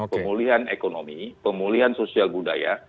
pemulihan ekonomi pemulihan sosial budaya